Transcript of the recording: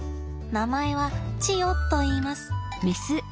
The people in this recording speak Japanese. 名前はチヨといいます。